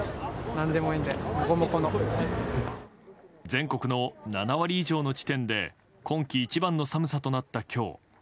全国の７割以上の地点で今季一番の寒さとなった今日。